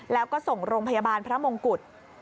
แล้วก็ส่งโรงพยาบาลพระมงกุฎ